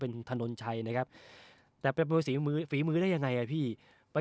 เป็นถนนชัยนะครับแต่เป็นมวยฝีมือฝีมือได้ยังไงอ่ะพี่ไป